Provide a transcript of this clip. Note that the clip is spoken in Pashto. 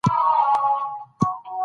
دا بحث بې طرفه وړاندې شوی دی.